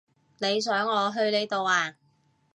你想我去你度呀？